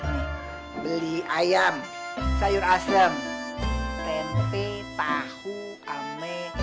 beli ayam sayur asem tempe pahu ame